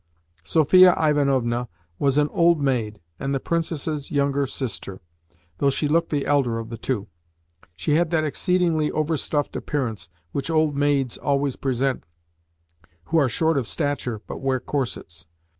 Sophia Ivanovna was an old maid and the Princess's younger sister, though she looked the elder of the two. She had that exceedingly overstuffed appearance which old maids always present who are short of stature but wear corsets.